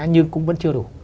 nhưng cũng vẫn chưa đủ